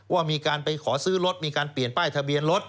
ว่ามีการไปขอซื้อรถมีการเปลี่ยนป้ายทะเบียนรถ